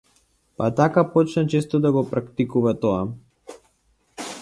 Па така почна често да го практикува тоа.